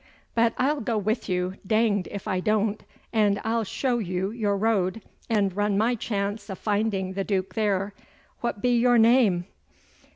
But I'll go with you, danged if I doan't, and I'll show you your road, and run my chance o' finding the Duke there. What be your name?